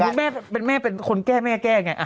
สมมุติแม่เป็นคนแก้แม่แก้ไง